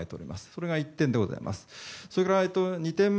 それが１点でございます。